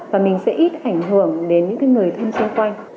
và mình sẽ ít ảnh hưởng đến những người thân xung quanh